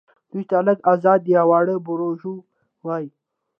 دوی ته لږ ازاد یا واړه بوروژوا وايي.